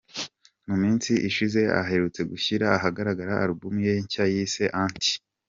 Mu minsi ishize aherutse gushyira ahagaragara album ye nshya yise ‘Anti’.